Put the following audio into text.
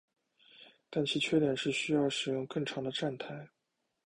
但其缺点是需要使用更长的站台。